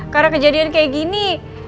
karena kejadian kayak gini